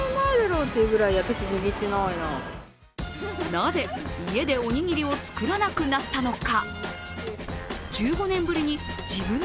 なぜ家でおにぎりを作らなくなったのか。